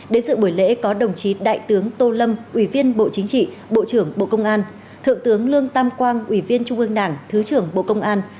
đến sự buổi lễ có đồng chí đại tướng tô lâm ubnd bộ trưởng bộ công an thượng tướng lương tam quang ubnd thứ trưởng bộ công an